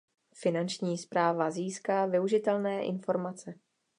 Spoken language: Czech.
Finanční správa získá využitelné informace.